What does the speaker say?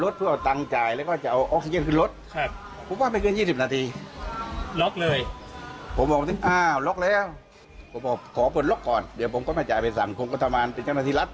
เดี๋ยวผมก็มาจ่ายไปสั่งโครงกฎธรรมันเป็นจังหาธิรัติ